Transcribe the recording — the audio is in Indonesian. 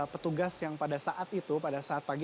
petugas yang pada saat itu pada saat pagi